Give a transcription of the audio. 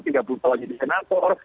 tiga puluh tahun jadi senator